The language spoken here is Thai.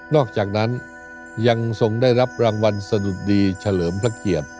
อกจากนั้นยังทรงได้รับรางวัลสะดุดดีเฉลิมพระเกียรติ